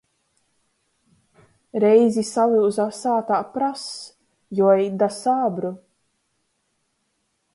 Reizi salyuza sātā prass, juoīt da sābru.